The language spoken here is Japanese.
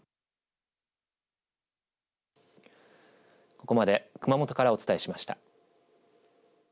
ここまで熊本からお伝えしました。